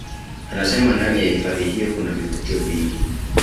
Anasema ndani ya hifadhi hiyo kuna vivutio vingi